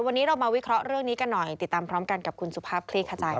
วันนี้เรามาวิเคราะห์เรื่องนี้กันหน่อยติดตามพร้อมกันกับคุณสุภาพคลี่ขจาย